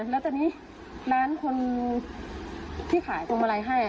แล้วตอนนี้ร้านคนที่ขายพวงมาลัยให้